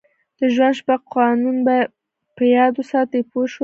د ژوند شپږ قوانین په یاد وساتئ پوه شوې!.